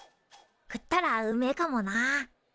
食ったらうめえかもな。